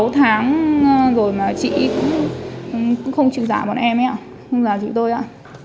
sáu tháng rồi mà chị cũng không chịu giả bọn em ấy ạ không giả chịu tôi ạ